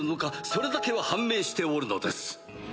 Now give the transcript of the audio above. それだけは判明しておるのです。